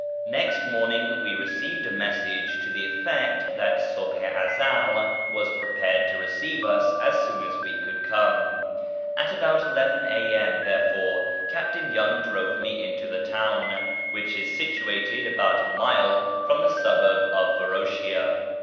Next morning we received a message to the effect that Subh i Ezel was prepared to receive us as soon as we could come. At about 11 a.m., therefore, Captain Young drove me into the town, which is situated about a mile from the suburb of Varoshia.